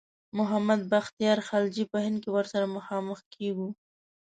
محمد بختیار خلجي په هند کې ورسره مخامخ کیږو.